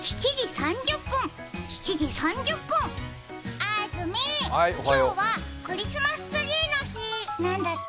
あーずみー、今日はクリスマスツリーの日なんだって。